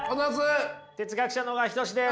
哲学者の小川仁志です。